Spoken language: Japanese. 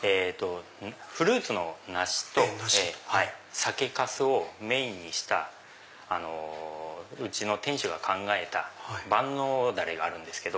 フルーツの梨と酒粕をメインにしたうちの店主が考えた万能たれがあるんですけど。